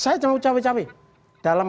saya cuma mau cewek cewek dalam